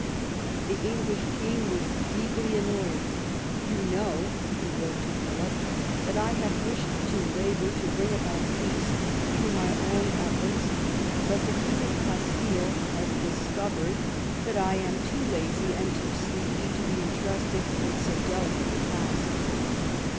The English king was deeply an noyed. "You know," he wrote to Philip, "that I have wished to labour to bring about peace through my own efforts ; but the King of Castile has discovered that I V EDWARD S CONTINENTAL POLICY 97 am too lazy and too sleepy to • be entrusted with so delicate a task."